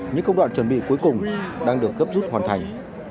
những công đoạn chuẩn bị cuối cùng đang được gấp rút hoàn thành